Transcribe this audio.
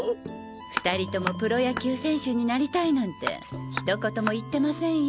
２人ともプロ野球選手になりたいなんてひと言も言ってませんよ。